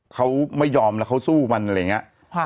เขาไม่ยอมนะเขาสู้มันอะไรแบบนี้